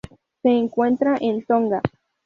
Se encuentra en Tonga.